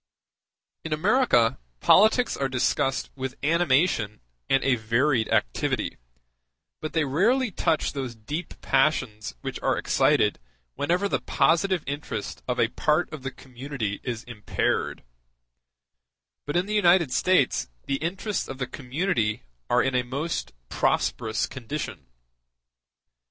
In America politics are discussed with animation and a varied activity, but they rarely touch those deep passions which are excited whenever the positive interest of a part of the community is impaired: but in the United States the interests of the community are in a most prosperous condition.